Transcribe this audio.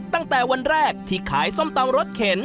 ตั้งแต่วันแรกที่ขายส้มตำรถเข็น